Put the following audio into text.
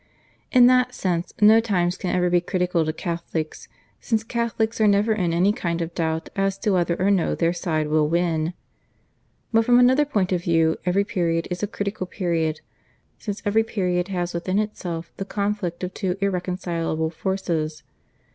In that sense no times can ever be critical to Catholics, since Catholics are never in any kind of doubt as to whether or no their side will win. But from another point of view every period is a critical period, since every period has within itself the conflict of two irreconcilable forces.